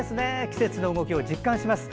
季節の動きを実感します。